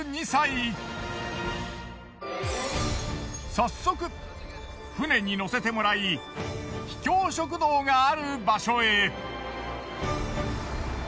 早速船に乗せてもらい秘境食堂がある場所へ。